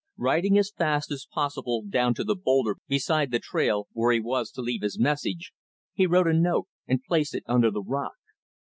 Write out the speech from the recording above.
Riding as fast as possible down to the boulder beside the trail, where he was to leave his message, he wrote a note and placed it under the rock.